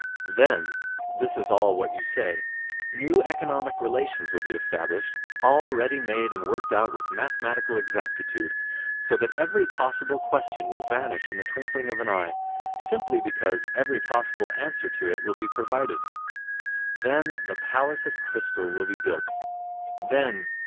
Then—this is all what you say—new economic relations will be established, all ready made and worked out with mathematical exactitude, so that every possible question will vanish in the twinkling of an eye, simply because every possible answer to it will be provided. Then the "Palace of Crystal" will be built. Then